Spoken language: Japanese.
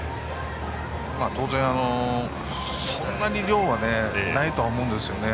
当然、そんなに量はないと思うんですよね。